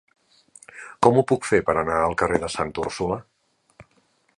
Com ho puc fer per anar al carrer de Santa Úrsula?